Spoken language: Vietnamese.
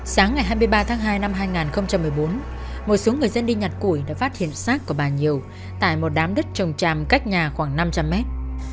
sáng ngày hai mươi ba tháng hai năm hai nghìn một mươi bốn một số người dân đi nhặt củi đã phát hiện sát của bà nhiều tại một đám đất trồng tràm cách nhà khoảng năm trăm linh mét